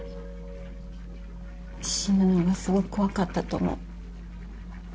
死ぬのがすごく怖かったと思う。